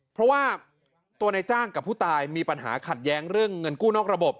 เพราะว่าตัวนายจ้างกับผู้ตายมีปัญหาขัดแย้งเรื่องเงินกู้นอกระบบ